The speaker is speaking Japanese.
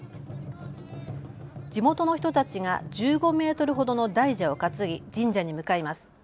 地元の人たちが１５メートルほどの大蛇を担ぎ神社に向かいます。